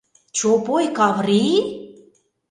— Чопой Каври?!